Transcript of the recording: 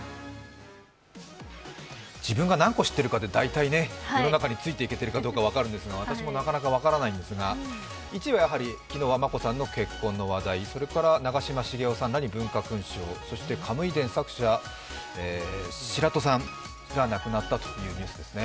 自分が何個知ってるかで、大体、世の中についていけてるかが分かるんですが、私もなかなか分からないんですが、１位はやはり昨日は眞子さんの結婚の話題それから長嶋茂雄さんらに文化勲章、「カムイ伝」作者、白土さんが亡くなったというニュースですね。